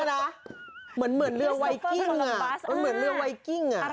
โอ่อะไว้อะโน